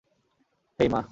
হেই, মা!